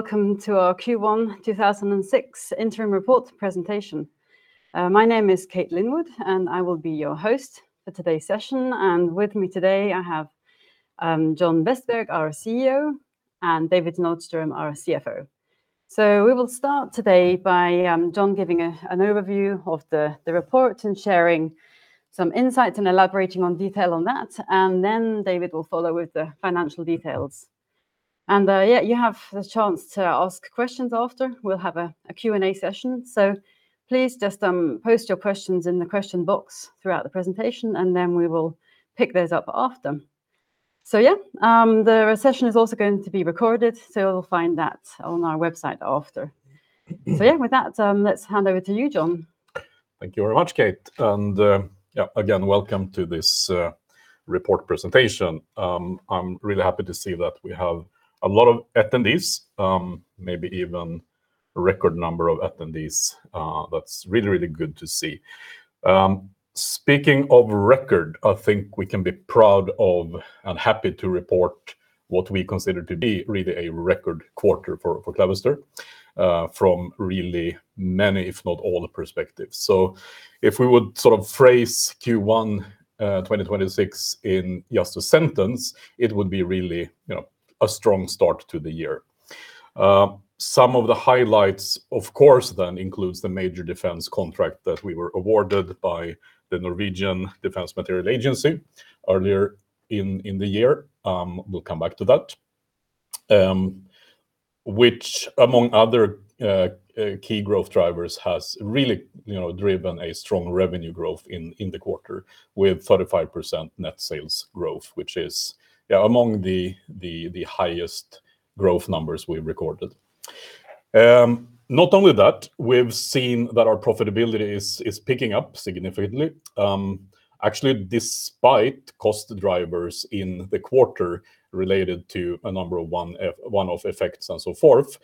Welcome to our Q1 2006 interim report presentation. My name is Kate Linwood, I will be your host for today's session. With me today I have John Vestberg, our CEO, and David Nordström, our CFO. We will start today by John giving an overview of the report and sharing some insights and elaborating on detail on that, David will follow with the financial details. You have the chance to ask questions after. We'll have a Q&A session, please just post your questions in the question box throughout the presentation, we will pick those up after. The session is also going to be recorded, you'll find that on our website after. With that, let's hand over to you, John. Thank you very much, Kate. Again, welcome to this Report presentation. I'm really happy to see that we have a lot of attendees, maybe even a record number of attendees. That's really good to see. Speaking of record, I think we can be proud of and happy to report what we consider to be really a record quarter for Clavister, from really many, if not all, the perspectives. If we would sort of phrase Q1 2026 in just a sentence, it would be really, you know, a strong start to the year. Some of the highlights, of course, then includes the major defense contract that we were awarded by the Norwegian Defence Materiel Agency earlier in the year, we'll come back to that, which among other key growth drivers has really, you know, driven a strong revenue growth in the quarter with 35% net sales growth, which is, yeah, among the highest growth numbers we've recorded. Not only that, we've seen that our profitability is picking up significantly, actually, despite cost drivers in the quarter related to a number of one-off effects and so forth.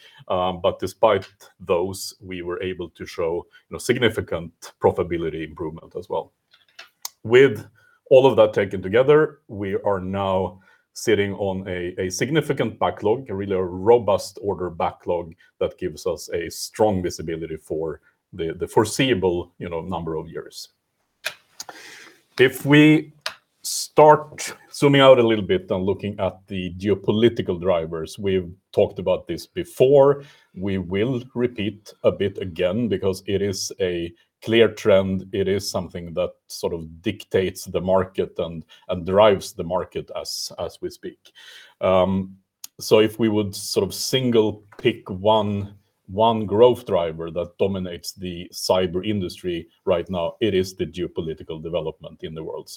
Despite those, we were able to show, you know, significant profitability improvement as well. With all of that taken together, we are now sitting on a significant backlog, a really robust order backlog that gives us a strong visibility for the foreseeable, you know, number of years. If we start zooming out a little bit and looking at the geopolitical drivers, we've talked about this before. We will repeat a bit again because it is a clear trend. It is something that sort of dictates the market and drives the market as we speak. If we would sort of single pick one growth driver that dominates the cyber industry right now, it is the geopolitical development in the world.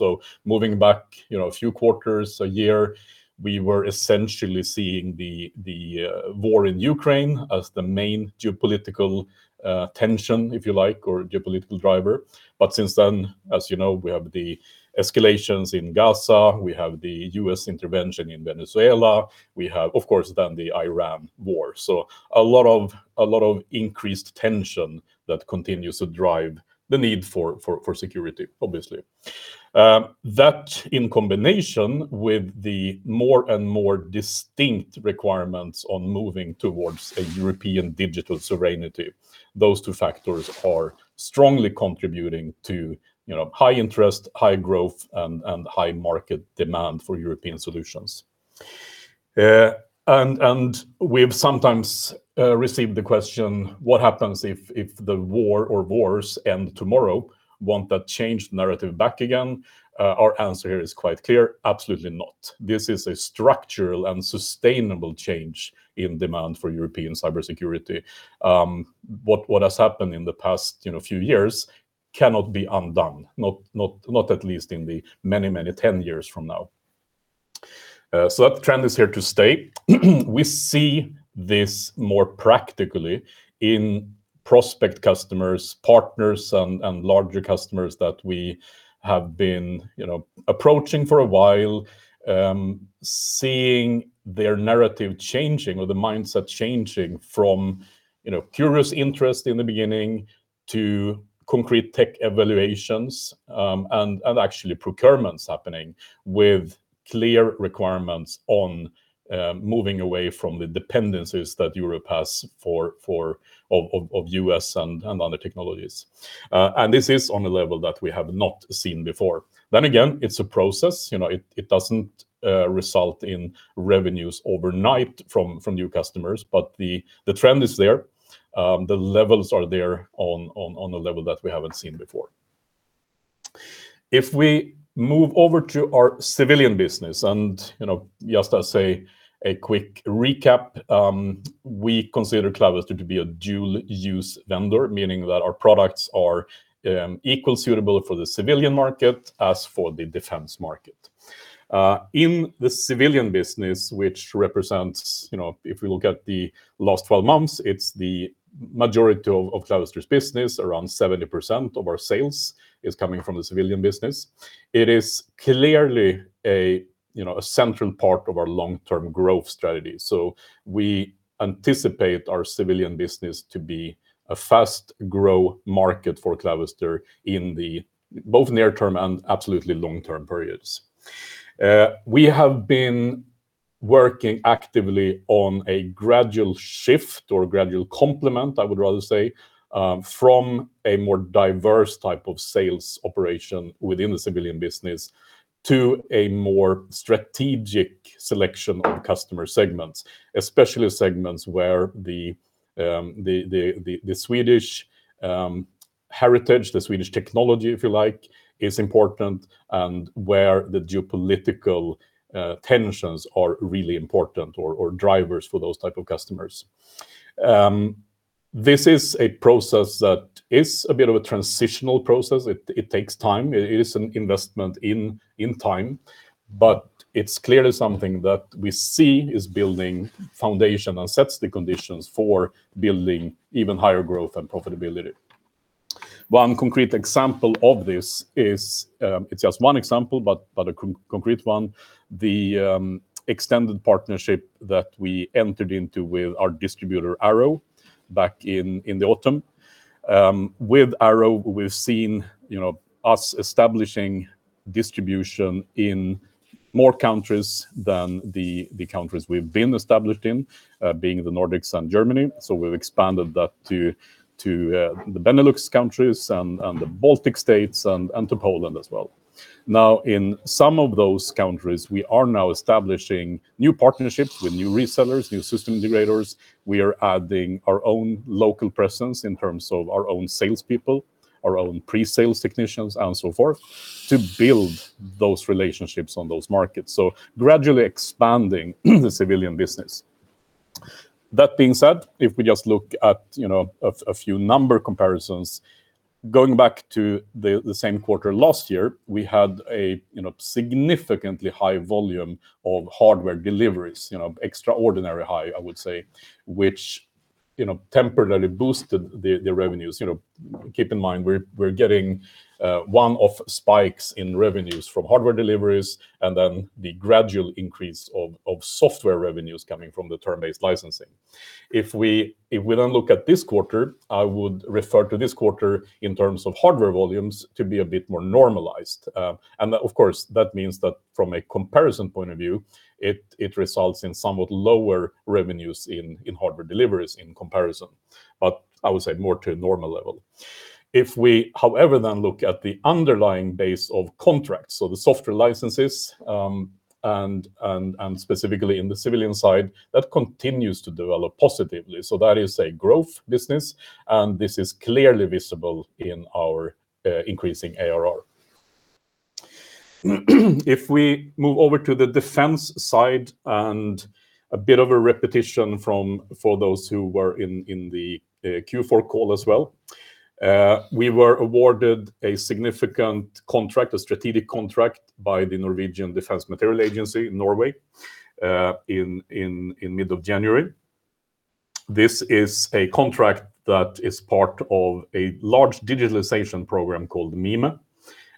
Moving back, you know, a few quarters a year, we were essentially seeing the war in Ukraine as the main geopolitical tension, if you like, or geopolitical driver. Since then, as you know, we have the escalations in Gaza. We have the U.S. intervention in Venezuela. We have, of course, then the Iran war. A lot of increased tension that continues to drive the need for security, obviously. That in combination with the more and more distinct requirements on moving towards a European digital sovereignty, those two factors are strongly contributing to, you know, high interest, high growth, and high market demand for European solutions. And we've sometimes received the question, what happens if the war or wars end tomorrow? Won't that change the narrative back again?" Our answer here is quite clear, absolutely not. This is a structural and sustainable change in demand for European cybersecurity. What has happened in the past, you know, few years cannot be undone, not at least in the many 10 years from now. That trend is here to stay. We see this more practically in prospect customers, partners, and larger customers that we have been, you know, approaching for a while, seeing their narrative changing or the mindset changing from, you know, curious interest in the beginning to concrete tech evaluations, and actually procurements happening with clear requirements on moving away from the dependencies that Europe has for U.S. and other technologies. This is on a level that we have not seen before. Again, it's a process. You know, it doesn't result in revenues overnight from new customers, but the trend is there. The levels are there on, on a level that we haven't seen before. If we move over to our civilian business, and, you know, just to say a quick recap, we consider Clavister to be a dual-use vendor, meaning that our products are equal suitable for the civilian market as for the defense market. In the civilian business, which represents, you know, if we look at the last 12 months, it's the majority of Clavister's business. Around 70% of our sales is coming from the civilian business. It is clearly a, you know, a central part of our long-term growth strategy. We anticipate our civilian business to be a fast grow market for Clavister in the both near term and absolutely long-term periods. We have been working actively on a gradual shift or gradual complement, I would rather say, from a more diverse type of sales operation within the civilian business to a more strategic selection of customer segments, especially segments where the Swedish heritage, the Swedish technology, if you like, is important and where the geopolitical tensions are really important or drivers for those type of customers. This is a process that is a bit of a transitional process. It takes time. It is an investment in time, but it's clearly something that we see is building foundation and sets the conditions for building even higher growth and profitability. One concrete example of this is, it's just one example but a concrete one, the extended partnership that we entered into with our distributor Arrow back in the autumn. With Arrow we've seen, you know, us establishing distribution in more countries than the countries we've been established in, being the Nordics and Germany, so we've expanded that to the Benelux countries and the Baltic States and to Poland as well. Now, in some of those countries we are now establishing new partnerships with new resellers, new system integrators. We are adding our own local presence in terms of our own salespeople, our own pre-sales technicians and so forth, to build those relationships on those markets. Gradually expanding the civilian business. That being said, if we just look at, you know, a few number comparisons, going back to the same quarter last year we had a, you know, significantly high volume of hardware deliveries, you know, extraordinary high I would say, which, you know, temporarily boosted the revenues. You know, keep in mind we're getting 1-off spikes in revenues from hardware deliveries and then the gradual increase of software revenues coming from the term-based licensing. If we then look at this quarter, I would refer to this quarter in terms of hardware volumes to be a bit more normalized. Of course, that means that from a comparison point of view, it results in somewhat lower revenues in hardware deliveries in comparison, but I would say more to a normal level. If we, however, then look at the underlying base of contracts, so the software licenses, and specifically in the civilian side, that continues to develop positively. That is a growth business, and this is clearly visible in our increasing ARR. If we move over to the defense side and a bit of a repetition from, for those who were in the Q4 call as well, we were awarded a significant contract, a strategic contract by the Norwegian Defence Materiel Agency in Norway in mid of January. This is a contract that is part of a large digitalization program called Mime.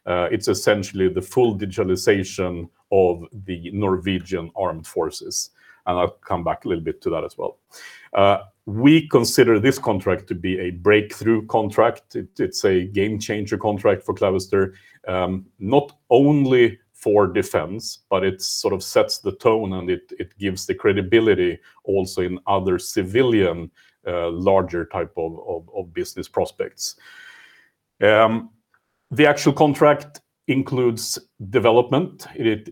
It's essentially the full digitalization of the Norwegian Armed Forces. I'll come back a little bit to that as well. We consider this contract to be a breakthrough contract. It's a game-changer contract for Clavister. Not only for defense, but it sort of sets the tone and it gives the credibility also in other civilian, larger type of business prospects. The actual contract includes development. It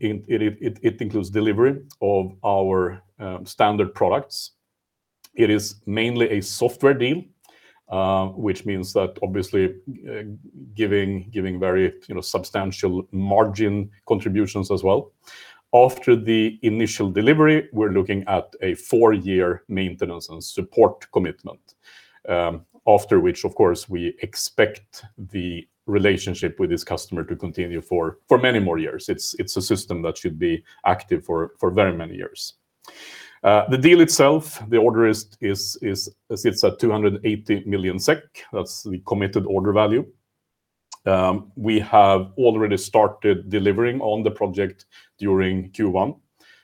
includes delivery of our standard products. It is mainly a software deal, which means that obviously, giving very, you know, substantial margin contributions as well. After the initial delivery, we're looking at a four-year maintenance and support commitment, after which, of course, we expect the relationship with this customer to continue for many more years. It's a system that should be active for very many years. The deal itself, the order is at 280 million SEK. That's the committed order value. We have already started delivering on the project during Q1,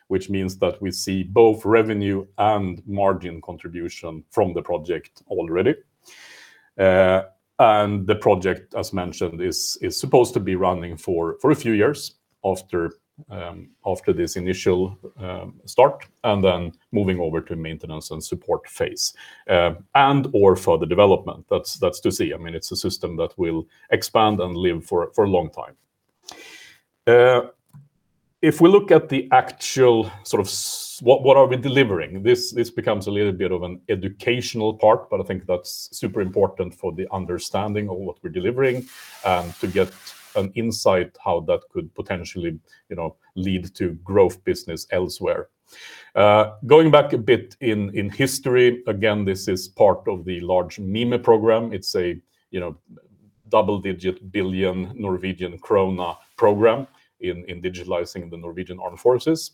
which means that we see both revenue and margin contribution from the project already. The project, as mentioned, is supposed to be running for a few years after this initial start, and then moving over to maintenance and support phase. For the development. That's to see. I mean, it's a system that will expand and live for a long time. If we look at the actual sort of what are we delivering, this becomes a little bit of an educational part, but I think that's super important for the understanding of what we're delivering, to get an insight how that could potentially, you know, lead to growth business elsewhere. Going back a bit in history, again, this is part of the large Mime program. It's a, you know, double-digit billion NOK program in digitalizing the Norwegian Armed Forces.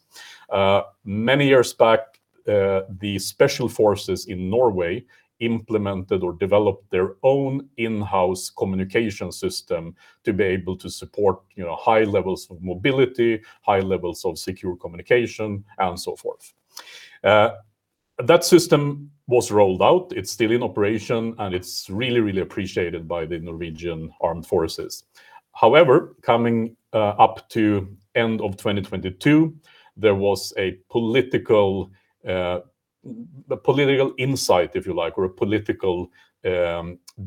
Many years back, the special forces in Norway implemented or developed their own in-house communication system to be able to support, you know, high levels of mobility, high levels of secure communication, and so forth. That system was rolled out. It's still in operation, and it's really appreciated by the Norwegian Armed Forces. However, coming up to end of 2022, there was a political, a political insight, if you like, or a political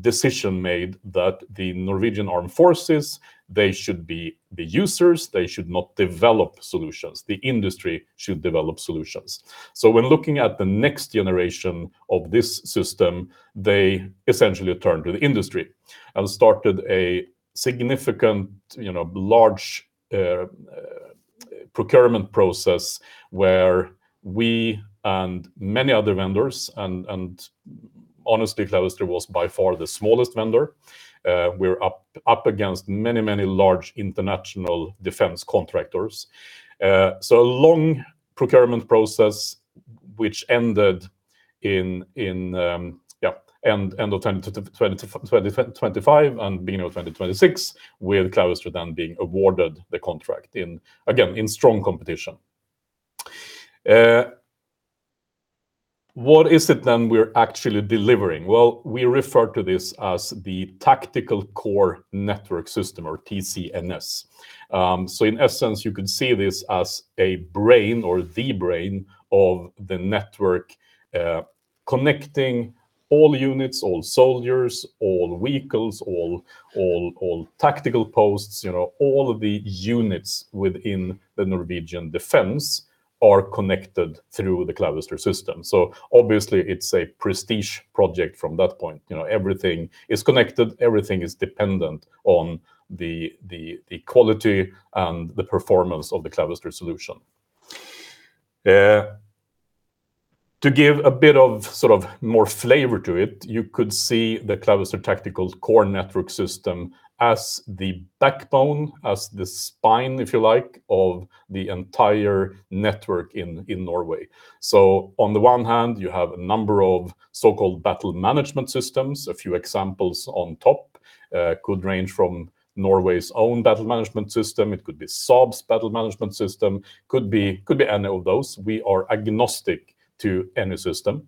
decision made that the Norwegian Armed Forces, they should be the users, they should not develop solutions. The industry should develop solutions. When looking at the next generation of this system, they essentially turned to the industry and started a significant, you know, large procurement process where we and many other vendors and, honestly Clavister was by far the smallest vendor. We're up against many large international defense contractors. A long procurement process which ended in end of 2025 and beginning of 2026 with Clavister then being awarded the contract in, again, in strong competition. What is it then we're actually delivering? We refer to this as the Tactical Core Network System, or TCNS. In essence, you could see this as a brain or the brain of the network, connecting all units, all soldiers, all vehicles, all tactical posts. You know, all of the units within the Norwegian Defence are connected through the Clavister system. Obviously it's a prestige project from that point. You know, everything is connected, everything is dependent on the quality and the performance of the Clavister solution. To give a bit of sort of more flavor to it, you could see the Clavister Tactical Core Network System as the backbone, as the spine, if you like, of the entire network in Norway. On the one hand, you have a number of so-called battle management systems. A few examples on top could range from Norway's own battle management system, it could be Saab's battle management system, could be any of those. We are agnostic to any system.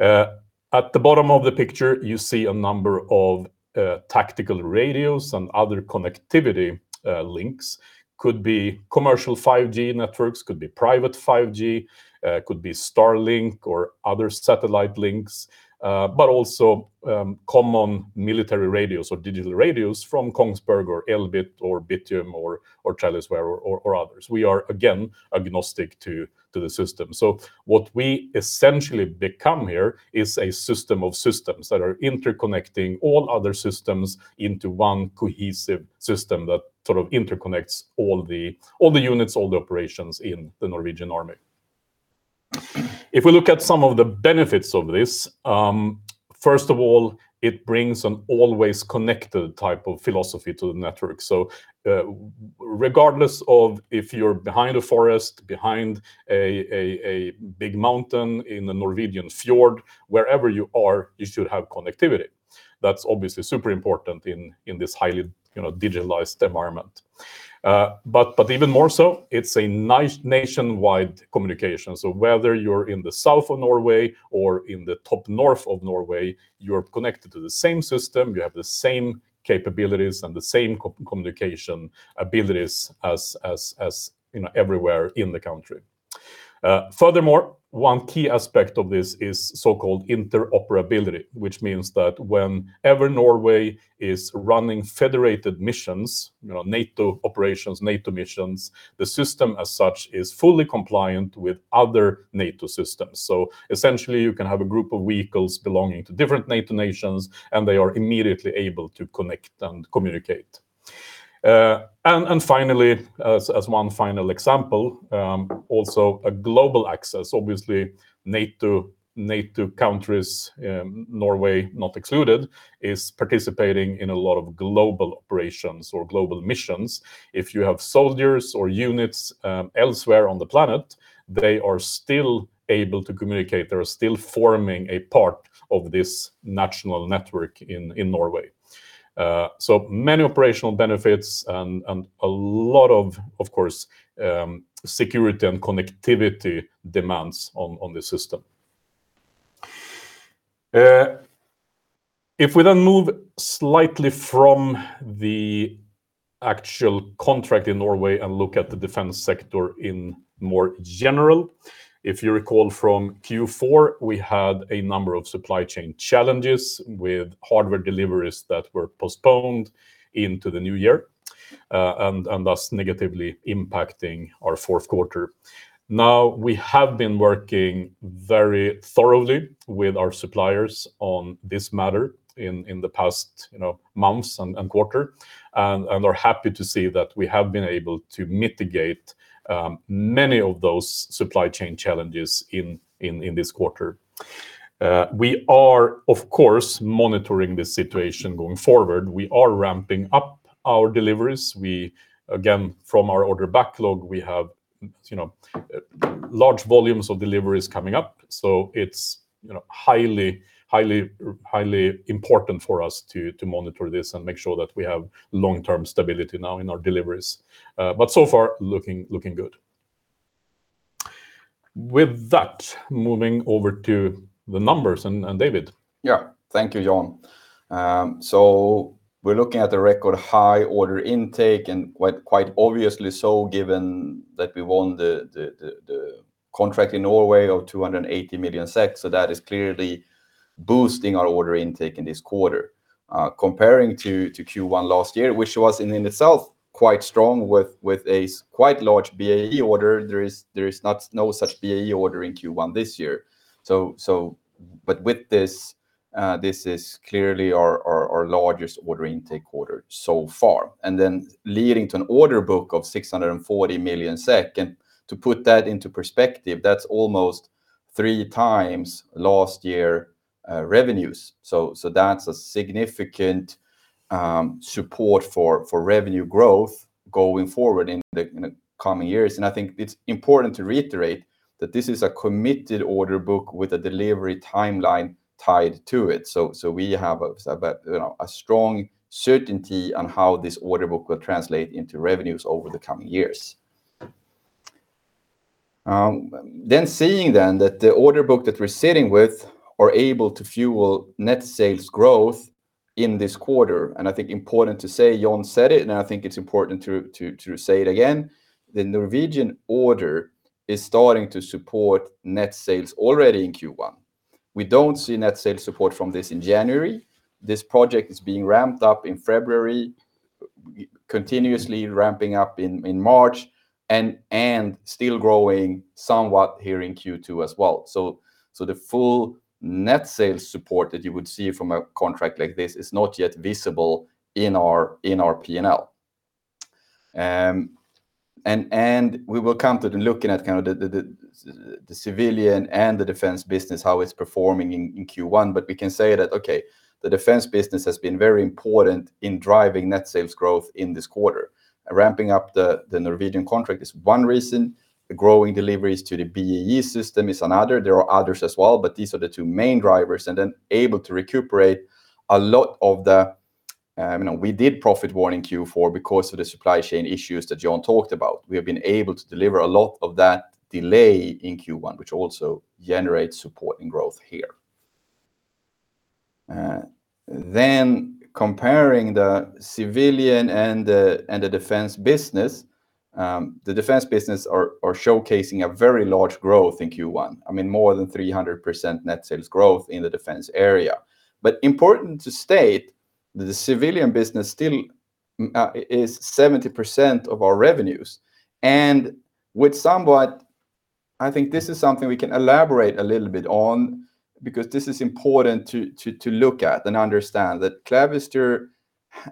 At the bottom of the picture, you see a number of tactical radios and other connectivity links. Could be commercial 5G networks, could be private 5G, could be Starlink or other satellite links. But also, common military radios or digital radios from Kongsberg or Elbit or Bittium or Thales or others. We are, again, agnostic to the system. What we essentially become here is a system of systems that are interconnecting all other systems into one cohesive system that sort of interconnects all the units, all the operations in the Norwegian Armed Forces. If we look at some of the benefits of this, first of all, it brings an always connected type of philosophy to the network. Regardless of if you're behind a forest, behind a big mountain in the Norwegian fjord, wherever you are, you should have connectivity. That's obviously super important in this highly, you know, digitalized environment. But even more so, it's a nationwide communication. Whether you're in the south of Norway or in the top north of Norway, you're connected to the same system, you have the same capabilities and the same communication abilities as, you know, everywhere in the country. Furthermore, one key aspect of this is so-called interoperability, which means that whenever Norway is running federated missions, you know, NATO operations, NATO missions, the system as such is fully compliant with other NATO systems. Essentially you can have a group of vehicles belonging to different NATO nations, and they are immediately able to connect and communicate. And finally, as one final example, also a global access. Obviously, NATO countries, Norway not excluded, is participating in a lot of global operations or global missions. If you have soldiers or units elsewhere on the planet, they are still able to communicate, they're still forming a part of this national network in Norway. Many operational benefits and a lot of course, security and connectivity demands on the system. If we move slightly from the actual contract in Norway and look at the defense sector in more general, if you recall from Q4, we had a number of supply chain challenges with hardware deliveries that were postponed into the new year, and thus negatively impacting our fourth quarter. We have been working very thoroughly with our suppliers on this matter in the past, you know, months and quarter and are happy to see that we have been able to mitigate many of those supply chain challenges in this quarter. We are of course, monitoring the situation going forward. We are ramping up our deliveries. We, again, from our order backlog, we have, you know, large volumes of deliveries coming up. It's, you know, highly, highly important for us to monitor this and make sure that we have long-term stability now in our deliveries. So far looking good. With that, moving over to the numbers, and David. Thank you, John. We're looking at the record high order intake and quite obviously given that we won the contract in Norway of 280 million SEK, that is clearly boosting our order intake in this quarter. Comparing to Q1 last year, which was in itself quite strong with a quite large BAE order, there is no such BAE order in Q1 this year. With this is clearly our largest order intake quarter so far. Leading to an order book of 640 million SEK, and to put that into perspective, that's almost three times last year-revenues. That's a significant support for revenue growth going forward in the coming years. I think it's important to reiterate that this is a committed order book with a delivery timeline tied to it. We have a, you know, a strong certainty on how this order book will translate into revenues over the coming years. Seeing that the order book that we're sitting with are able to fuel net sales growth in this quarter, and I think important to say, John said it, and I think it's important to say it again, the Norwegian order is starting to support net sales already in Q1. We don't see net sales support from this in January. This project is being ramped up in February, continuously ramping up in March, and still growing somewhat here in Q2 as well. The full net sales support that you would see from a contract like this is not yet visible in our P&L. We will come to looking at the civilian and the defense business, how it's performing in Q1, but we can say that the defense business has been very important in driving net sales growth in this quarter. Ramping up the Norwegian contract is one reason. The growing deliveries to the BAE Systems is another. There are others as well, but these are the two main drivers, then able to recuperate a lot of the, you know, we did profit warning Q4 because of the supply chain issues that John Vestberg talked about. We have been able to deliver a lot of that delay in Q1, which also generates support and growth here. Comparing the civilian and the defense business, the defense business are showcasing a very large growth in Q1, I mean, more than 300% net sales growth in the defense area. Important to state that the civilian business still is 70% of our revenues, and with somewhat, I think this is something we can elaborate a little bit on because this is important to look at and understand that Clavister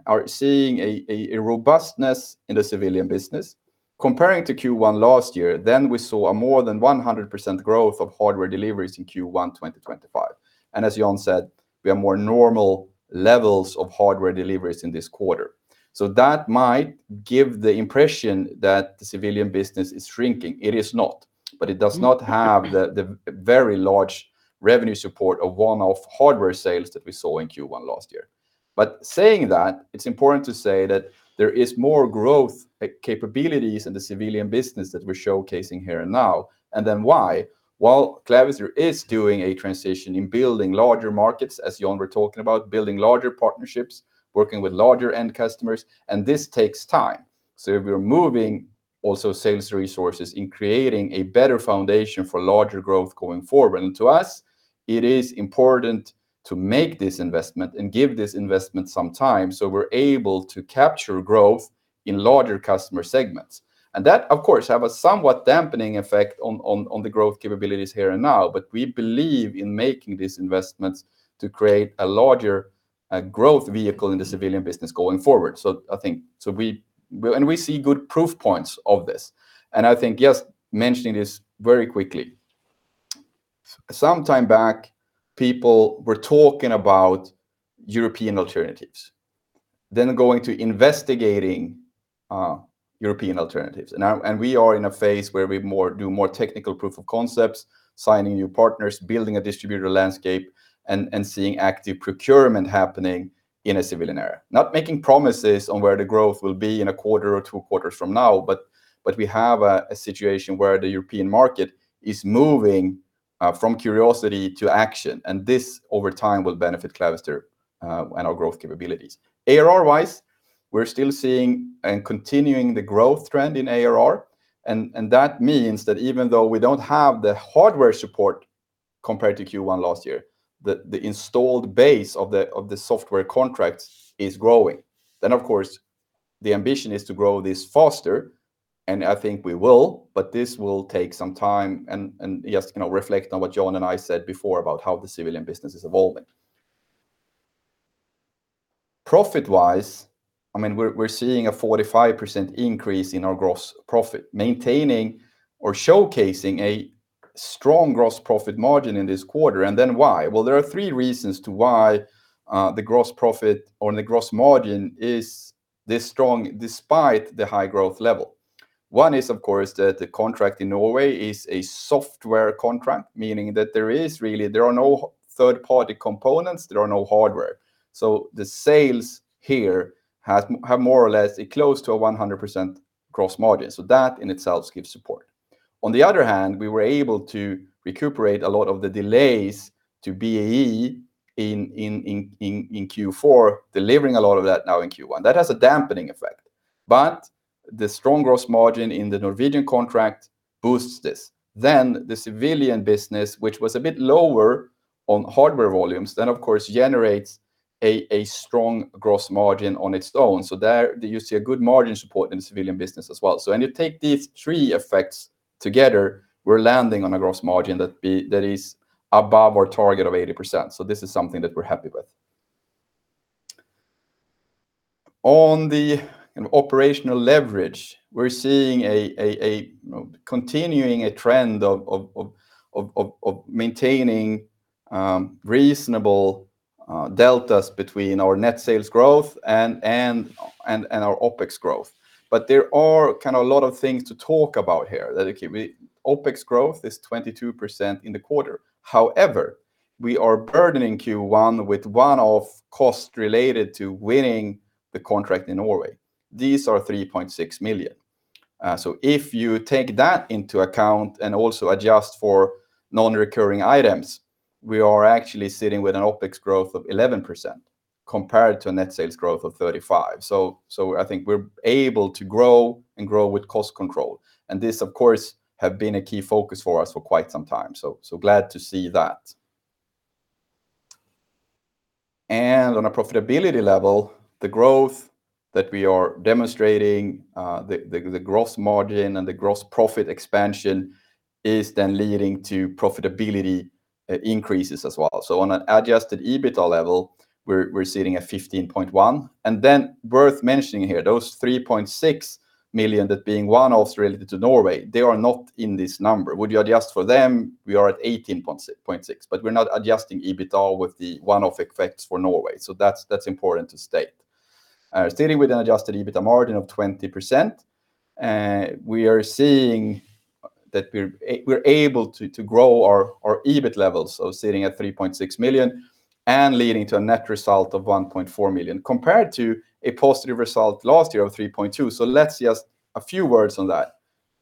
are seeing a robustness in the civilian business. Comparing to Q1 last year, we saw a more than 100% growth of hardware deliveries in Q1 2025, and as John said, we have more normal levels of hardware deliveries in this quarter. That might give the impression that the civilian business is shrinking. It is not, but it does not have the very large revenue support of one-off hardware sales that we saw in Q1 last year. Saying that, it's important to say that there is more growth capabilities in the civilian business that we're showcasing here and now, and then why? Well, Clavister is doing a transition in building larger markets, as John were talking about, building larger partnerships, working with larger end customers, and this takes time. We're moving also sales resources in creating a better foundation for larger growth going forward. To us, it is important to make this investment and give this investment some time so we're able to capture growth in larger customer segments. That, of course, have a somewhat dampening effect on the growth capabilities here and now, but we believe in making these investments to create a larger growth vehicle in the civilian business going forward. I think, we see good proof points of this. I think just mentioning this very quickly. Some time back, people were talking about European alternatives, then going to investigating European alternatives. Now, we are in a phase where we do more technical proof of concepts, signing new partners, building a distributor landscape, and seeing active procurement happening in a civilian area. Not making promises on where the growth will be in a quarter or two quarters from now, but we have a situation where the European market is moving from curiosity to action, and this, over time, will benefit Clavister and our growth capabilities. ARR-wise, we're still seeing and continuing the growth trend in ARR, that means that even though we don't have the hardware support compared to Q1 last year, the installed base of the software contracts is growing. Of course, the ambition is to grow this faster, and I think we will, but this will take some time, just, you know, reflect on what John and I said before about how the civilian business is evolving. Profit-wise, I mean, we're seeing a 45% increase in our gross profit, maintaining or showcasing a strong gross profit margin in this quarter, why? Well, there are three reasons to why the gross profit or the gross margin is this strong despite the high growth level. One is, of course, that the contract in Norway is a software contract, meaning that there is really, there are no third-party components, there are no hardware. The sales here have more or less a close to 100% gross margin. That in itself gives support. On the other hand, we were able to recuperate a lot of the delays to BAE in Q4, delivering a lot of that now in Q1. That has a dampening effect, the strong gross margin in the Norwegian contract boosts this. The civilian business, which was a bit lower on hardware volumes, of course generates a strong gross margin on its own. There you see a good margin support in the civilian business as well. When you take these three effects together, we're landing on a gross margin that is above our target of 80%. This is something that we're happy with. On the operational leverage, we're seeing a, you know, continuing a trend of maintaining reasonable deltas between our net sales growth and our OpEx growth. There are kind of a lot of things to talk about here. OpEx growth is 22% in the quarter. However, we are burdening Q1 with one-off costs related to winning the contract in Norway. These are 3.6 million. If you take that into account and also adjust for non-recurring items, we are actually sitting with an OpEx growth of 11% compared to a net sales growth of 35%. I think we're able to grow and grow with cost control, this of course have been a key focus for us for quite some time. Glad to see that. On a profitability level, the growth that we are demonstrating, the gross margin and the gross profit expansion is then leading to profitability increases as well. On an adjusted EBITA level, we're sitting at 15.1 million, worth mentioning here, those 3.6 million that being one-offs related to Norway, they are not in this number. Would you adjust for them, we are at 18.6 million, we're not adjusting EBITA with the one-off effects for Norway. That's important to state. Sitting with an adjusted EBITDA margin of 20%, we are seeing that we're able to grow our EBIT levels, sitting at 3.6 million and leading to a net result of 1.4 million compared to a positive result last year of 3.2. Let's just a few words on that.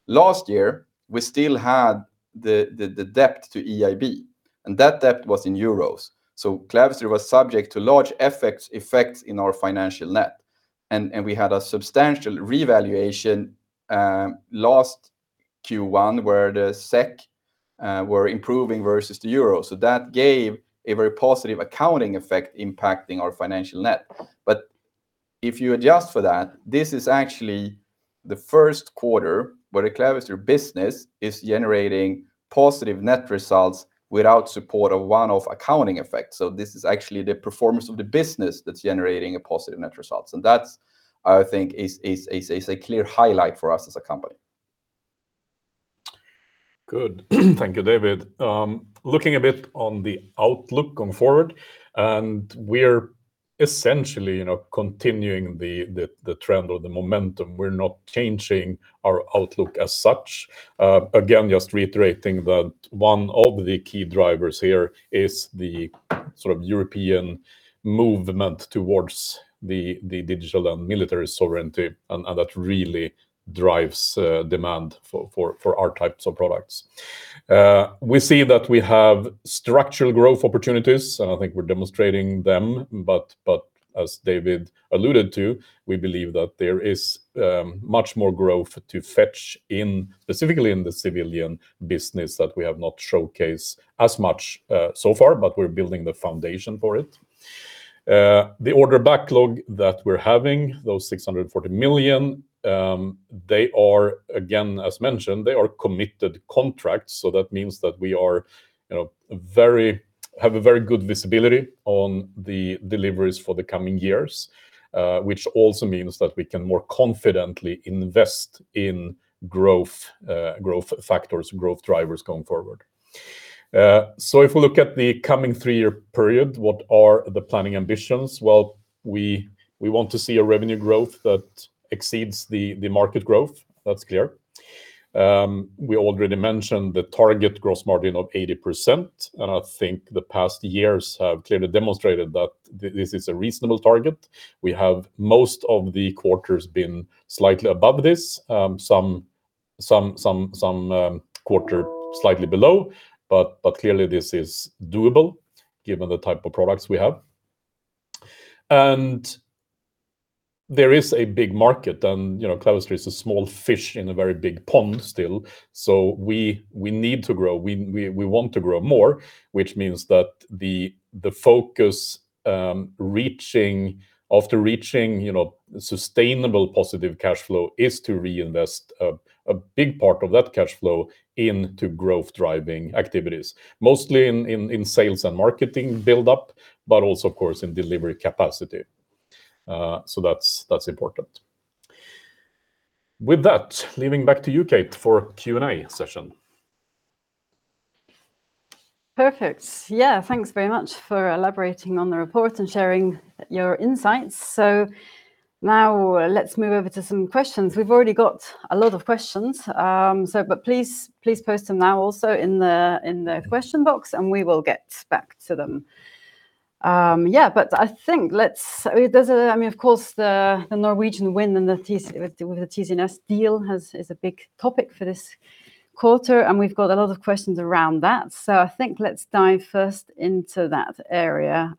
Last year, we still had the debt to EIB, and that debt was in EUR. Clavister was subject to large effects in our financial net, and we had a substantial revaluation last Q1 where the SEK were improving versus the EUR. That gave a very positive accounting effect impacting our financial net. If you adjust for that, this is actually the first quarter where the Clavister business is generating positive net results without support of one-off accounting effects. This is actually the performance of the business that's generating a positive net results, and that's, I think is a clear highlight for us as a Clavister company. Good. Thank you, David. Looking a bit on the outlook going forward, we're essentially, you know, continuing the trend or the momentum. We're not changing our outlook as such. Again, just reiterating that one of the key drivers here is the sort of European movement towards the digital and military sovereignty and that really drives demand for our types of products. We see that we have structural growth opportunities. I think we're demonstrating them, but as David alluded to, we believe that there is much more growth to fetch in, specifically in the civilian business that we have not showcased as much so far, but we're building the foundation for it. The order backlog that we're having, those 640 million, they are, again, as mentioned, they are committed contracts, so that means that we, you know, have a very good visibility on the deliveries for the coming years, which also means that we can more confidently invest in growth factors, growth drivers going forward. If we look at the coming three-year period, what are the planning ambitions? We want to see a revenue growth that exceeds the market growth. That's clear. We already mentioned the target gross margin of 80%, and I think the past years have clearly demonstrated that this is a reasonable target. We have most of the quarters been slightly above this. Some quarter slightly below, but clearly this is doable given the type of products we have. There is a big market and, you know, Clavister is a small fish in a very big pond still. We need to grow. We want to grow more, which means that the focus, reaching, after reaching, you know, sustainable positive cash flow is to reinvest a big part of that cash flow into growth-driving activities, mostly in sales and marketing buildup, but also of course in delivery capacity. That's important. With that, leaving back to you, Kate, for Q&A session. Perfect. Thanks very much for elaborating on the report and sharing your insights. Now let's move over to some questions. We've already got a lot of questions. Please post them now also in the question box, and we will get back to them. I mean, of course, the Norwegian win with the TCNS deal is a big topic for this quarter, and we've got a lot of questions around that. I think let's dive first into that area.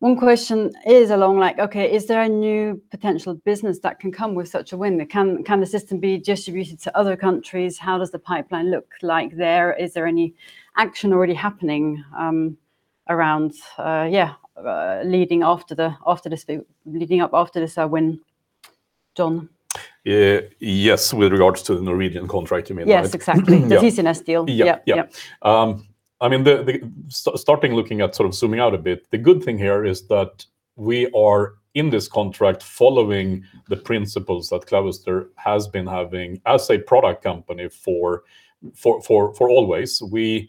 One question is along like, okay, is there a new potential business that can come with such a win? Can the system be distributed to other countries? How does the pipeline look like there? Is there any action already happening, around leading up after this win? Yes, with regards to the Norwegian contract, you mean, right? Yes, exactly. The TCNS deal. Yeah, yeah. Yeah, yeah. I mean, starting looking at sort of zooming out a bit, the good thing here is that we are in this contract following the principles that Clavister has been having as a product company for always. We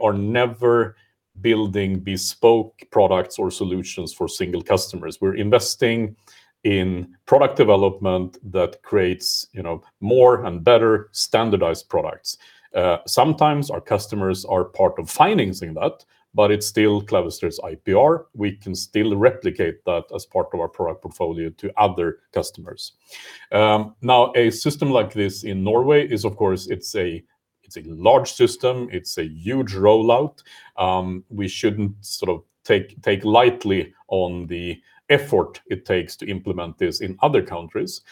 are never building bespoke products or solutions for single customers. We're investing in product development that creates, you know, more and better standardized products. Sometimes our customers are part of financing that, but it's still Clavister's IPR. We can still replicate that as part of our product portfolio to other customers. Now, a system like this in Norway is, of course, it's a large system, it's a huge rollout. We shouldn't sort of take lightly on the effort it takes to implement this in other countries.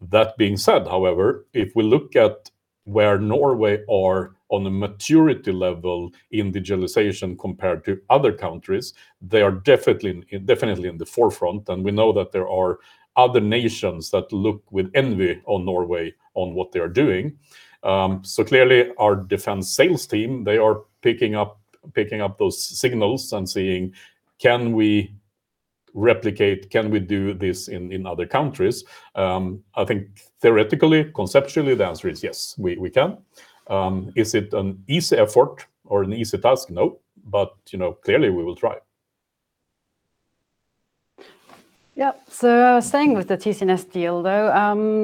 That being said, however, if we look at where Norway are on the maturity level in digitalization compared to other countries, they are definitely in the forefront, and we know that there are other nations that look with envy on Norway on what they are doing. Clearly our defense sales team, they are picking up those signals and seeing, can we replicate, can we do this in other countries? I think theoretically, conceptually, the answer is yes, we can. Is it an easy effort or an easy task? No. You know, clearly we will try. Staying with the TCNS deal, though,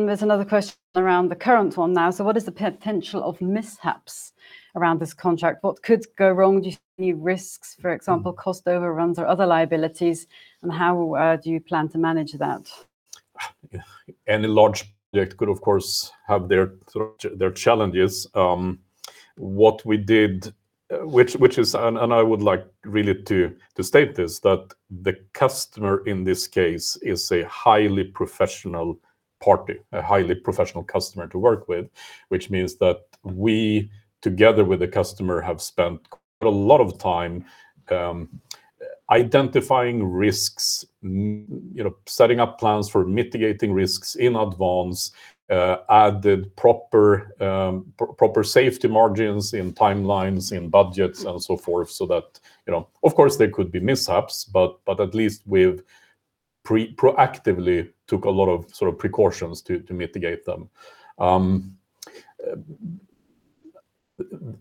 there's another question around the current one now. What is the potential of mishaps around this contract? What could go wrong? Do you see risks, for example, cost overruns or other liabilities, and how do you plan to manage that? Any large project could of course have their sort of their challenges. What we did, which is And I would like really to state this, that the customer in this case is a highly professional party, a highly professional customer to work with, which means that we, together with the customer, have spent quite a lot of time identifying risks, you know, setting up plans for mitigating risks in advance, added proper safety margins in timelines, in budgets and so forth, so that You know, of course there could be mishaps, but at least we've proactively took a lot of sort of precautions to mitigate them.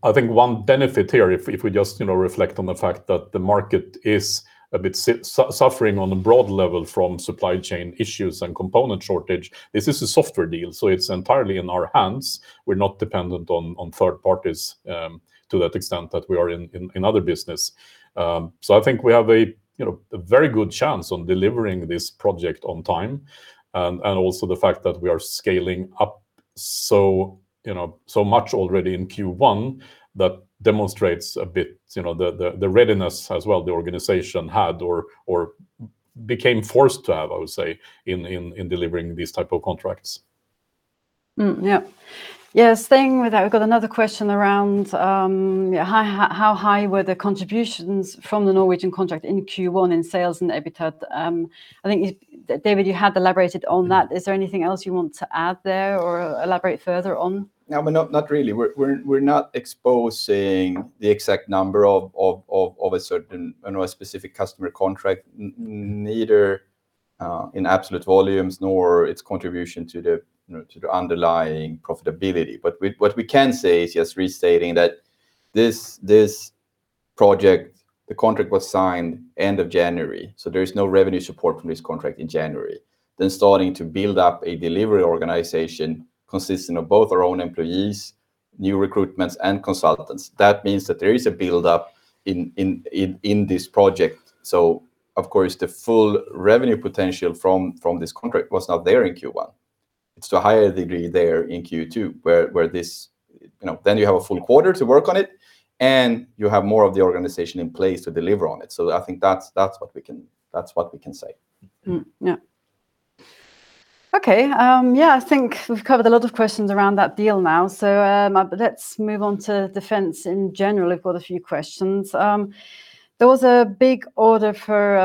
I think one benefit here, if we just, you know, reflect on the fact that the market is a bit suffering on a broad level from supply chain issues and component shortage, is this a software deal, it's entirely in our hands. We're not dependent on third parties to that extent that we are in other business. I think we have a, you know, a very good chance on delivering this project on time and also the fact that we are scaling up so, you know, so much already in Q1 that demonstrates a bit, you know, the readiness as well the organization had or became forced to have, I would say, in delivering these type of contracts. Yep. Yeah, staying with that, we've got another question around, yeah, how high were the contributions from the Norwegian contract in Q1 in sales and EBITDA? I think you, David, had elaborated on that. Is there anything else you want to add there or elaborate further on? No, not really. We're not exposing the exact number of a certain, you know, a specific customer contract neither in absolute volumes nor its contribution to the, you know, to the underlying profitability. What we can say is just restating that this project, the contract was signed end of January, there is no revenue support from this contract in January. Starting to build up a delivery organization consisting of both our own employees, new recruitments, and consultants. That means that there is a buildup in this project. Of course, the full revenue potential from this contract was not there in Q1. It's to a higher degree there in Q2, where this, you know, then you have a full quarter to work on it, and you have more of the organization in place to deliver on it. I think that's what we can say. Okay, I think we've covered a lot of questions around that deal now. Let's move on to defense in general. I've got a few questions. There was a big order for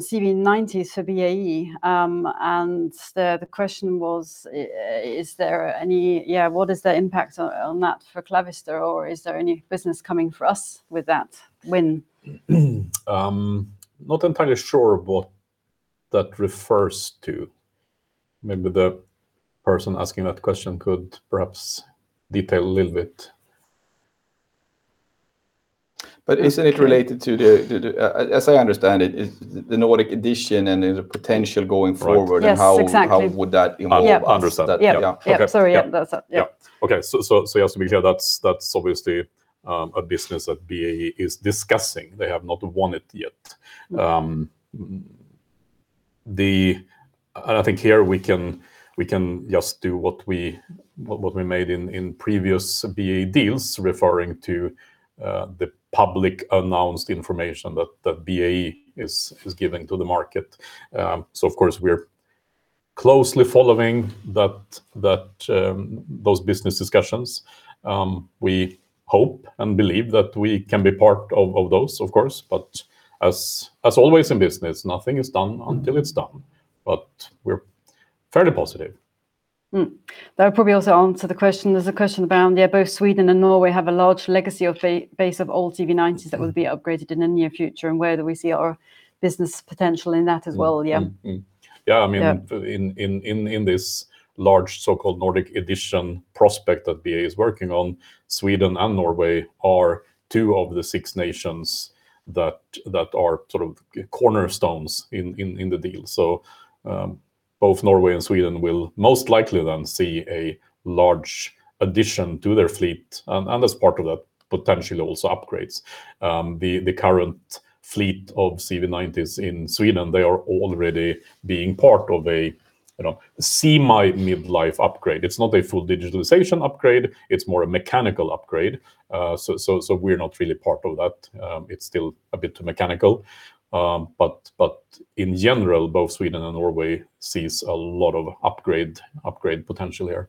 CV90s for BAE, and the question was, is there any, what is the impact on that for Clavister, or is there any business coming for us with that win? Not entirely sure what that refers to. The person asking that question could perhaps detail a little bit. Isn't it related to the, as I understand it's the Nordic Edition and the potential going forward. Right Yes, exactly. How would that involve us? I understand. Yeah. Yeah. Yeah. Okay. Sorry, yeah, that's it. Yeah. Yeah. Okay. Just to be clear, that's obviously a business that BAE is discussing. They have not won it yet. I think here we can just do what we made in previous BAE deals referring to the public announced information that BAE is giving to the market. Of course, we're closely following those business discussions. Hope and believe that we can be part of those, of course. As always in business, nothing is done until it's done. We're fairly positive. That would probably also answer the question. There's a question around, yeah, both Sweden and Norway have a large legacy of base of old CV90s that will be upgraded in the near future, and whether we see our business potential in that as well. Yeah. Mm, mm. Yeah. Yeah, I mean, in this large so-called Nordic edition prospect that BAE is working on, Sweden and Norway are two of the six nations that are sort of cornerstones in the deal. Both Norway and Sweden will most likely then see a large addition to their fleet, and as part of that, potentially also upgrades. The current fleet of CV90s in Sweden, they are already being part of a, you know, semi midlife upgrade. It's not a full digitalization upgrade, it's more a mechanical upgrade. We're not really part of that. It's still a bit too mechanical. In general, both Sweden and Norway sees a lot of upgrade potential here.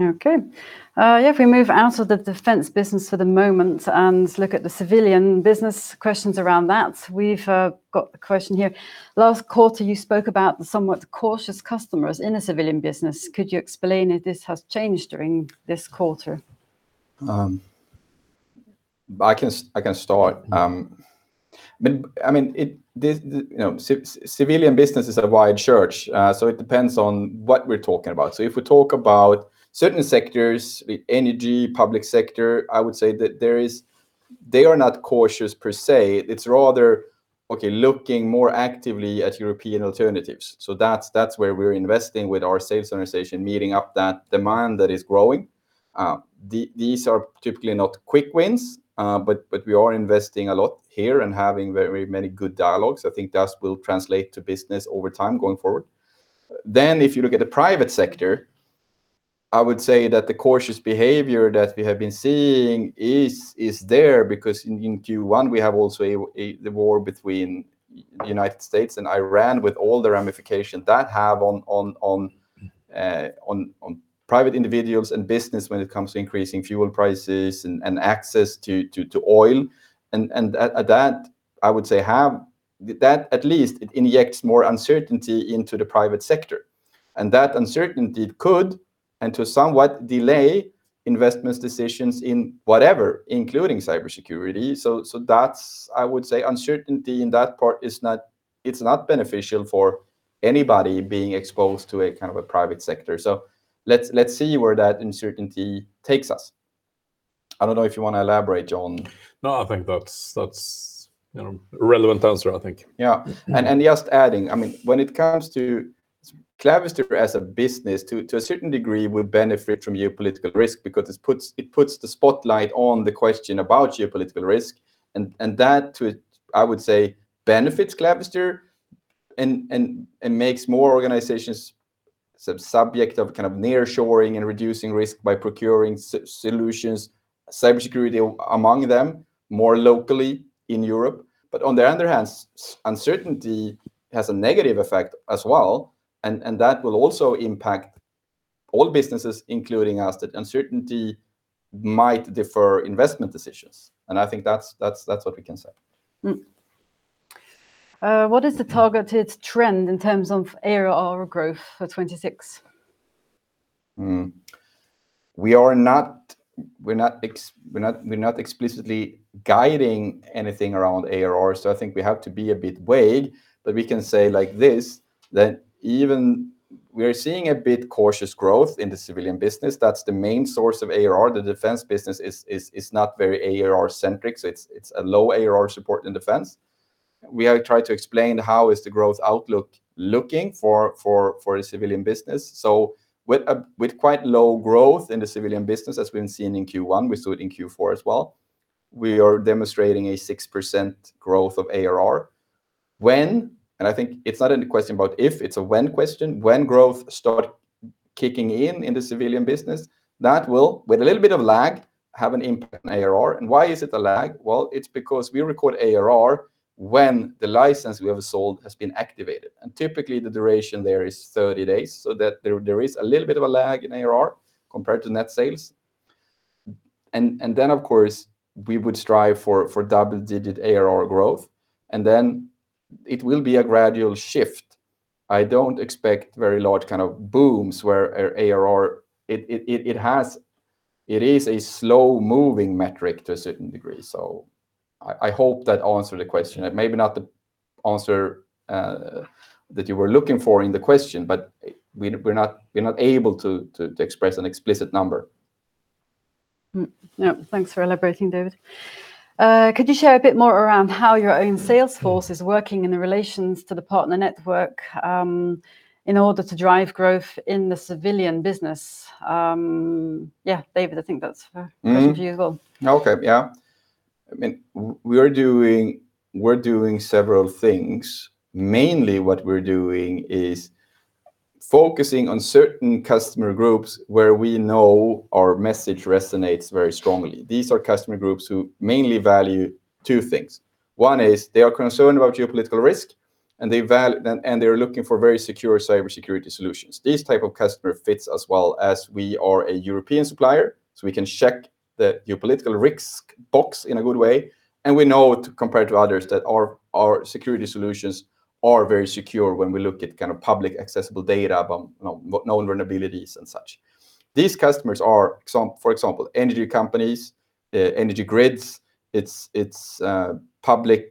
Okay. If we move out of the defense business for the moment and look at the civilian business questions around that, we've got the question here. Last quarter, you spoke about the somewhat cautious customers in the civilian business. Could you explain if this has changed during this quarter? I can start. I mean, it, this, the, you know, civilian business is a wide church, so it depends on what we're talking about. If we talk about certain sectors, the energy, public sector, I would say that there is, they are not cautious per se, it's rather, okay, looking more actively at European alternatives. That's where we're investing with our sales organization, meeting up that demand that is growing. These are typically not quick wins, but we are investing a lot here and having very many good dialogues. I think that will translate to business over time going forward. If you look at the private sector, I would say that the cautious behavior that we have been seeing is there, because in Q1, we have also the war between United States and Iran with all the ramification that have on private individuals and business when it comes to increasing fuel prices and access to oil. That, I would say, at least it injects more uncertainty into the private sector. That uncertainty could and to somewhat delay investments decisions in whatever, including cybersecurity. That's, I would say, uncertainty in that part is not beneficial for anybody being exposed to a kind of a private sector. Let's see where that uncertainty takes us. I don't know if you wanna elaborate, John. No, I think that's, you know, relevant answer, I think. Yeah. Just adding, I mean, when it comes to Clavister as a business to a certain degree will benefit from geopolitical risk because it puts the spotlight on the question about geopolitical risk. That to, I would say, benefits Clavister and makes more organizations subject of kind of nearshoring and reducing risk by procuring solutions, cybersecurity among them, more locally in Europe. On the other hand, uncertainty has a negative effect as well, and that will also impact all businesses, including us, that uncertainty might defer investment decisions. I think that's what we can say. What is the targeted trend in terms of ARR growth for 2026? We are not, we're not explicitly guiding anything around ARR. I think we have to be a bit vague. We can say like this, that even we're seeing a bit cautious growth in the civilian business. That's the main source of ARR. The defense business is not very ARR centric, it's a low ARR support in defense. We are try to explain how is the growth outlook looking for the civilian business. With quite low growth in the civilian business, as we've seen in Q1, we saw it in Q4 as well, we are demonstrating a 6% growth of ARR. When, and I think it's not any question about if, it's a when question, when growth start kicking in in the civilian business, that will, with a little bit of lag, have an impact on ARR. Why is it a lag? Well, it's because we record ARR when the license we have sold has been activated, and typically the duration there is 30 days, so that there is a little bit of a lag in ARR compared to net sales. Then of course, we would strive for double-digit ARR growth, and then it will be a gradual shift. I don't expect very large kind of booms where our ARR it is a slow moving metric to a certain degree, so I hope that answered the question. Maybe not the answer, that you were looking for in the question, but we're not able to express an explicit number. No, thanks for elaborating, David. Could you share a bit more around how your own sales force is working in the relations to the partner network, in order to drive growth in the civilian business? David, I think that's for question for you as well. Okay. Yeah. I mean, we're doing several things. Mainly what we're doing is focusing on certain customer groups where we know our message resonates very strongly. These are customer groups who mainly value two things. One is they are concerned about geopolitical risk. They're looking for very secure cybersecurity solutions. These type of customer fits us well as we are a European supplier, so we can check the geopolitical risk box in a good way, and we know, compared to others, that our security solutions are very secure when we look at kind of public accessible data about, you know, known vulnerabilities and such. These customers are for example, energy companies, energy grids. It's public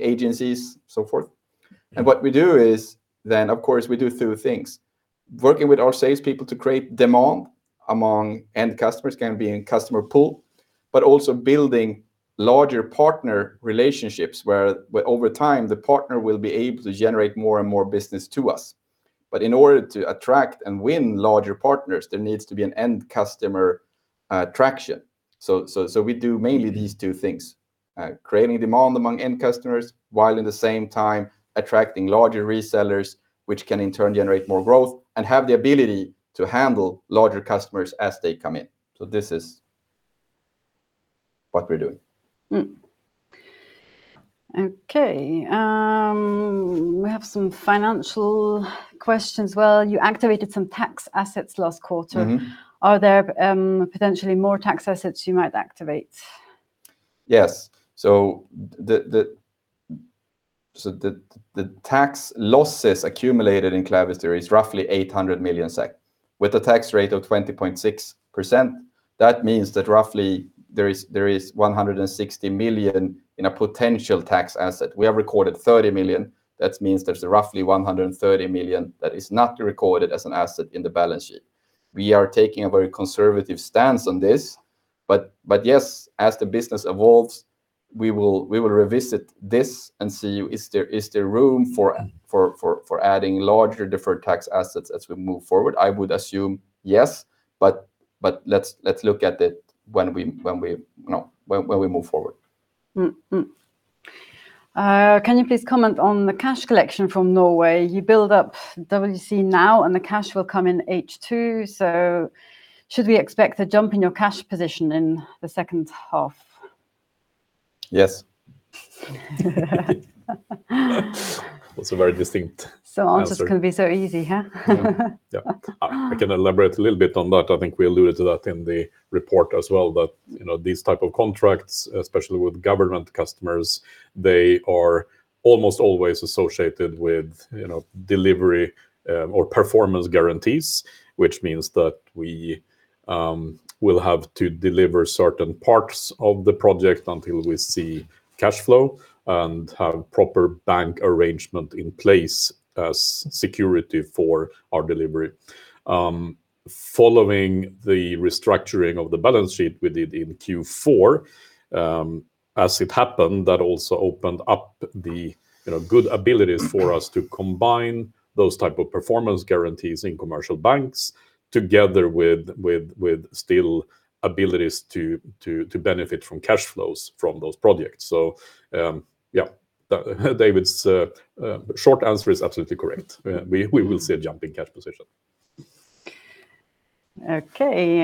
agencies, so forth. Yeah. What we do is, of course, we do two things. Working with our salespeople to create demand among end customers, can be in customer pool, but also building larger partner relationships where over time the partner will be able to generate more and more business to us. In order to attract and win larger partners, there needs to be an end customer traction. We do mainly these two things, creating demand among end customers while at the same time attracting larger resellers, which can in turn generate more growth and have the ability to handle larger customers as they come in. This is what we're doing. Okay. We have some financial questions. Well, you activated some tax assets last quarter. Are there potentially more tax assets you might activate? Yes. The tax losses accumulated in Clavister is roughly 800 million SEK. With a tax rate of 20.6%, that means that roughly there is 160 million in a potential tax asset. We have recorded 30 million. That means there's roughly 130 million that is not recorded as an asset in the balance sheet. We are taking a very conservative stance on this, but yes, as the business evolves, we will revisit this and see is there room for adding larger deferred tax assets as we move forward? I would assume yes, but let's look at it when we, you know, when we move forward. Can you please comment on the cash collection from Norway? You build up WC now, and the cash will come in H2, should we expect a jump in your cash position in the second half? Yes. That's a very distinct answer. Some answers can be so easy, huh? Yeah. I can elaborate a little bit on that. I think we alluded to that in the report as well that, you know, these type of contracts, especially with government customers, they are almost always associated with, you know, delivery, or performance guarantees, which means that we will have to deliver certain parts of the project until we see cashflow and have proper bank arrangement in place as security for our delivery. Following the restructuring of the balance sheet we did in Q4, as it happened, that also opened up the, you know, good abilities for us to combine those type of performance guarantees in commercial banks together with still abilities to benefit from cash flows from those projects. David's short answer is absolutely correct. We will see a jump in cash position. Okay.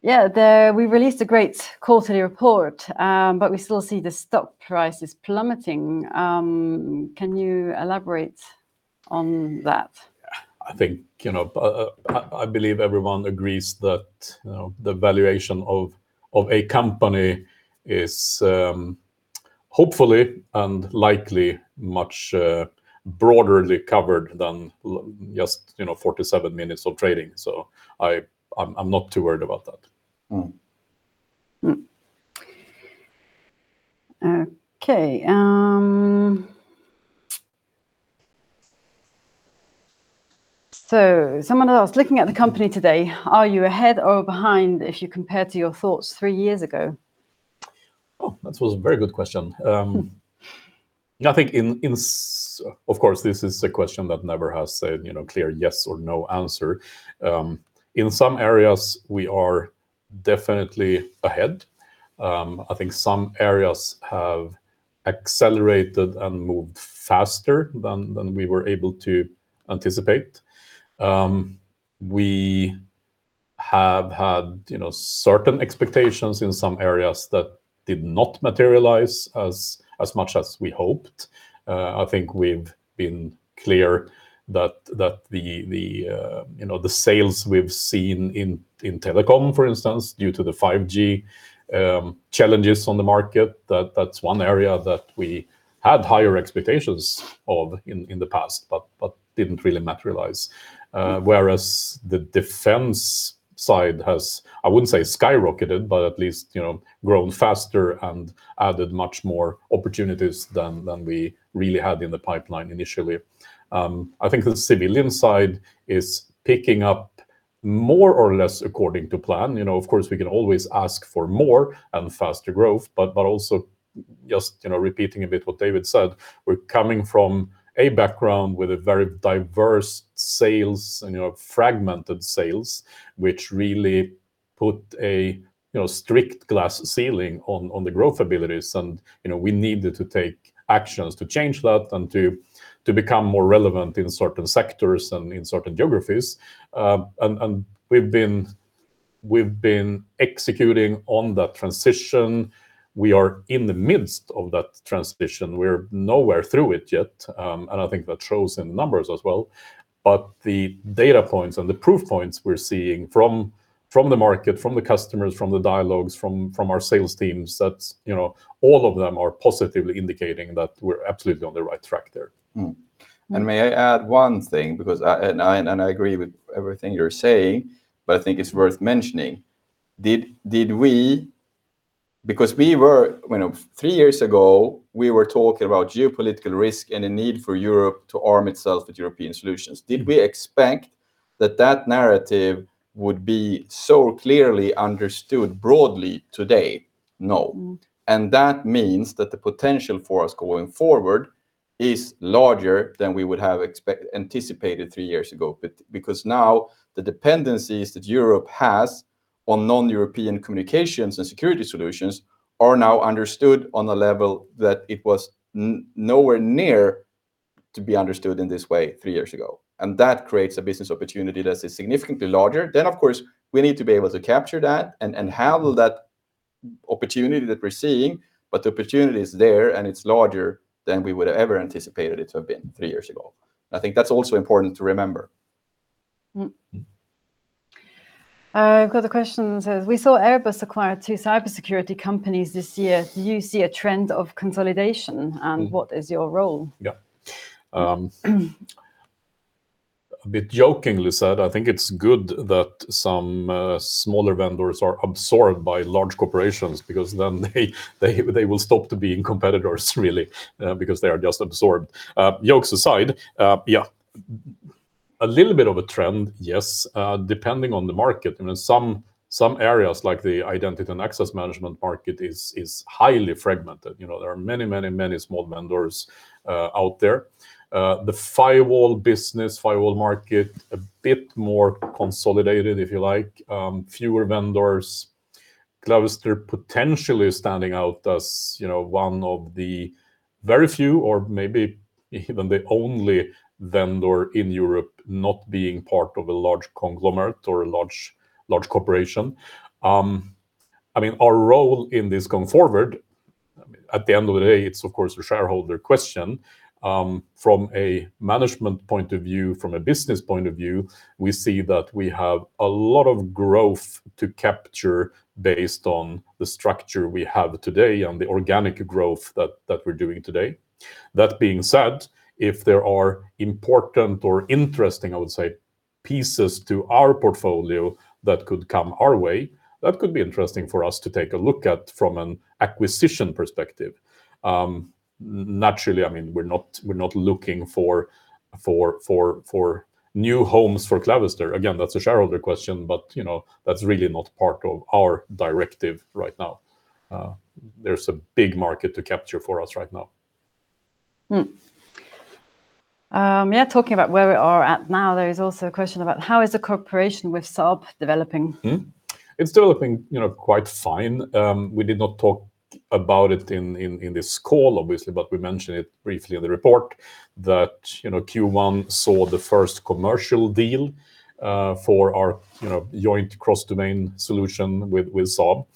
Yeah, we released a great quarterly report, but we still see the stock price is plummeting. Can you elaborate on that? I think, you know, I believe everyone agrees that, you know, the valuation of a company is hopefully and likely much broaderly covered than just, you know, 47 minutes of trading. I'm not too worried about that. Okay. Someone else, looking at the company today, are you ahead or behind if you compare to your thoughts three years ago? That was a very good question. I think in of course, this is a question that never has a, you know, clear yes or no answer. In some areas we are definitely ahead. I think some areas have accelerated and moved faster than we were able to anticipate. We have had, you know, certain expectations in some areas that did not materialize as much as we hoped. I think we've been clear that the, you know, the sales we've seen in telecom, for instance, due to the 5G challenges on the market, that's one area that we had higher expectations of in the past but didn't really materialize. Whereas the defense side has, I wouldn't say skyrocketed, but at least, you know, grown faster and added much more opportunities than we really had in the pipeline initially. I think the civilian side is picking up more or less according to plan. You know, of course, we can always ask for more and faster growth, but also just, you know, repeating a bit what David said, we're coming from a background with a very diverse sales and, you know, fragmented sales, which really put a, you know, strict glass ceiling on the growth abilities and, you know, we needed to take actions to change that and to become more relevant in certain sectors and in certain geographies. We've been executing on that transition. We are in the midst of that transition. We're nowhere through it yet, and I think that shows in the numbers as well. The data points and the proof points we're seeing from the market, from the customers, from the dialogues, from our sales teams, that's, you know, all of them are positively indicating that we're absolutely on the right track there. May I add one thing, because I agree with everything you're saying, but I think it's worth mentioning. Did we Because we were, you know, three years ago, we were talking about geopolitical risk and a need for Europe to arm itself with European solutions. Did we expect that that narrative would be so clearly understood broadly today? No. That means that the potential for us going forward is larger than we would have anticipated three years ago. Because now the dependencies that Europe has on non-European communications and security solutions are now understood on a level that it was nowhere near to be understood in this way three years ago. That creates a business opportunity that is significantly larger. Of course, we need to be able to capture that and handle that opportunity that we're seeing, but the opportunity is there, and it's larger than we would have ever anticipated it to have been three years ago. I think that's also important to remember. We've got a question. It says, we saw Airbus acquire two cybersecurity companies this year. Do you see a trend of consolidation? What is your role? Yeah. A bit jokingly said, I think it's good that some smaller vendors are absorbed by large corporations because then they will stop to being competitors really, because they are just absorbed. Jokes aside, yeah, a little bit of a trend, yes, depending on the market. I mean, some areas, like the Identity and Access Management market, is highly fragmented. You know, there are many small vendors out there. The firewall business, firewall market, a bit more consolidated, if you like. Fewer vendors. Clavister potentially standing out as, you know, one of the very few or maybe even the only vendor in Europe not being part of a large conglomerate or a large corporation. I mean, our role in this going forward, I mean, at the end of the day it's of course a shareholder question. From a management point of view, from a business point of view, we see that we have a lot of growth to capture based on the structure we have today and the organic growth that we're doing today. That being said, if there are important or interesting, I would say, pieces to our portfolio that could come our way, that could be interesting for us to take a look at from an acquisition perspective. Naturally, I mean, we're not, we're not looking for new homes for Clavister. Again, that's a shareholder question, but you know, that's really not part of our directive right now. There's a big market to capture for us right now. Talking about where we are at now, there is also a question about how is the cooperation with Saab developing? It's developing, you know, quite fine. We did not talk about it in this call, obviously, but we mentioned it briefly in the report that, you know, Q1 saw the first commercial deal for our, you know, joint cross-domain solution with Saab.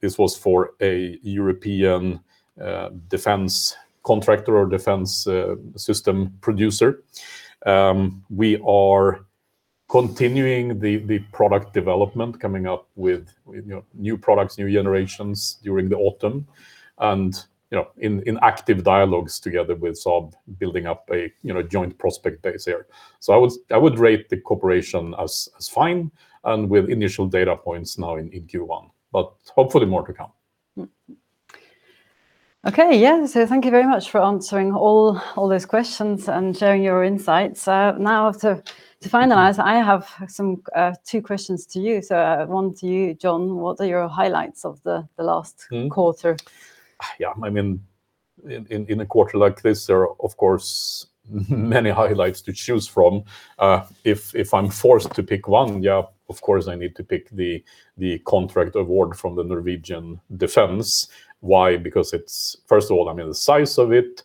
This was for a European defense contractor or defense system producer. We are continuing the product development, coming up with, you know, new products, new generations during the autumn. You know, in active dialogues together with Saab building up a, you know, joint prospect base there. I would rate the cooperation as fine and with initial data points now in Q1. Hopefully more to come. Okay, yeah. Thank you very much for answering all those questions and sharing your insights. Now to finalize, I have some two questions to you. One to you, John. What are your highlights of the last- quarter? Yeah, I mean, in a quarter like this there are, of course, many highlights to choose from. If I'm forced to pick one, yeah, of course I need to pick the contract award from the Norwegian Defence. Why? Because it's, first of all, I mean, the size of it,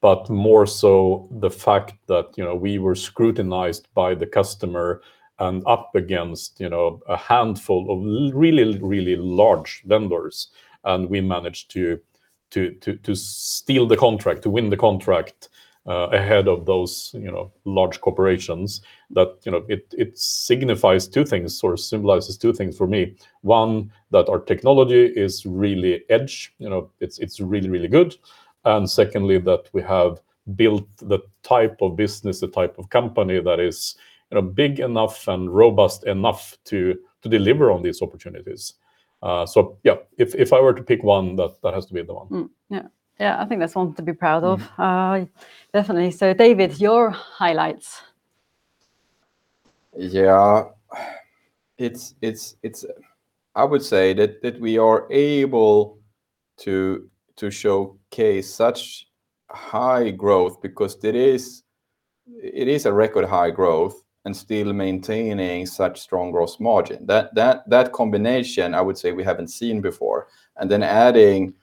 but more so the fact that, you know, we were scrutinized by the customer and up against, you know, a handful of really large vendors, and we managed to steal the contract, to win the contract ahead of those, you know, large corporations. That, you know, it signifies two things, sort of symbolizes two things for me. One, that our technology is really edge. You know, it's really good. Secondly, that we have built the type of business, the type of company that is, you know, big enough and robust enough to deliver on these opportunities. Yeah, if I were to pick one, that has to be the one. Yeah. Yeah, I think that's one to be proud of. Definitely. David, your highlights. It's I would say that we are able to showcase such high growth because it is a record high growth and still maintaining such strong gross margin. That combination I would say we haven't seen before. Adding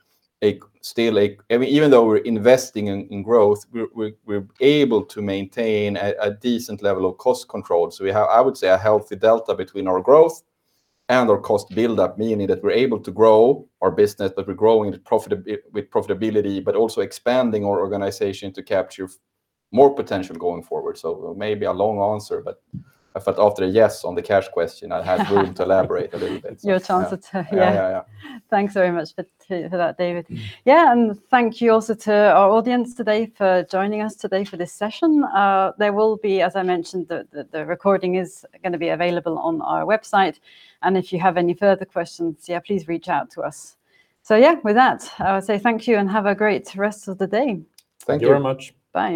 still a, I mean, even though we're investing in growth, we're able to maintain a decent level of cost control. We have, I would say, a healthy delta between our growth and our cost build up, meaning that we're able to grow our business, but we're growing with profitability, but also expanding our organization to capture more potential going forward. Maybe a long answer, but after a yes on the cash question, I had room to elaborate a little bit. Your chance to tell, yeah. Yeah, yeah. Thanks very much for that, David. Thank you also to our audience today for joining us today for this session. There will be, as I mentioned, the recording is gonna be available on our website. If you have any further questions, please reach out to us. With that, I would say thank you and have a great rest of the day. Thank you. Thank you very much. Bye.